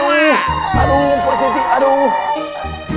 aduh pos siti aduh